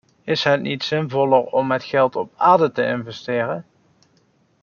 Is het niet zinvoller om het geld op aarde te investeren?